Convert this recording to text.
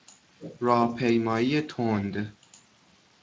راهپیمایی تند